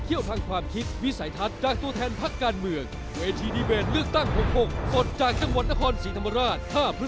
ผมอยู่ตรงนี้รู้สึกอบบุญมากครับ